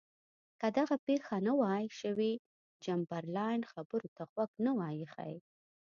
که دغه پېښه نه وای شوې چمبرلاین خبرو ته غوږ نه وای ایښی.